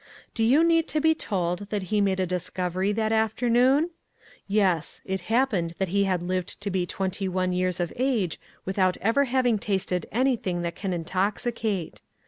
Do you need to be told that he made a discovery that afternoon ? Yes ; it happened that he had lived to be twenty one years of age without ever having tasted anything that can intoxicate.